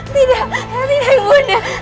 tidak tidak ibu nda